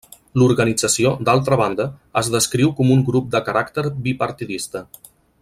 L'organització, d'altra banda, es descriu com un grup de caràcter bipartidista.